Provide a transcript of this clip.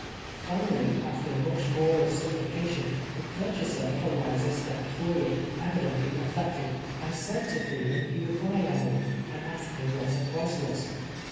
Finally, after much more of supplication, the pur chaser of Eliza stepped forward, evidently alfected, and said to Freeman he would buy Emily, and asked Iiini what lier price was.